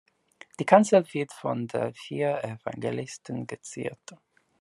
Die Kanzel wird von den vier Evangelisten geziert.